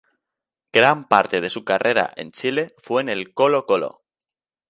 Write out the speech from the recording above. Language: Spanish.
Gran parte de su carrera en Chile fue en el Colo-Colo.